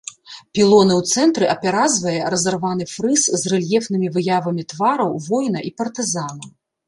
Пілоны ў цэнтры апяразвае разарваны фрыз з рэльефнымі выявамі твараў воіна і партызана.